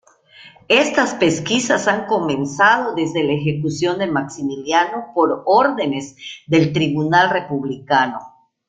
Estas pesquisas han comenzado desde la ejecución de Maximiliano por órdenes del tribunal republicano.